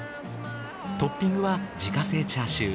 トッピングは自家製チャーシュー。